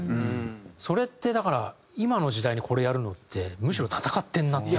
それってだから今の時代にこれやるのってむしろ戦ってるなっていうか。